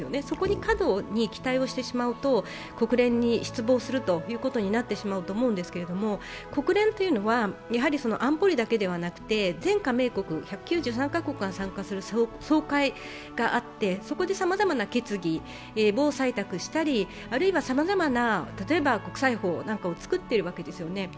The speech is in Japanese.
そこに過度に期待をしてしまうと国連に失望することになってしまうと思うんですけれども、国連というのは安保理だけではなくて、全加盟国１９３カ国が参加する総会があってそこでさまざまな決議を採択したり、さまざまな例えば国際法なんかを作っているわけです。